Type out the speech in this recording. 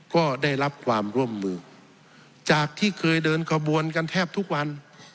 ก็ได้รับความร่วมมือจากที่เคยเดินขบวนกันแทบทุกวัน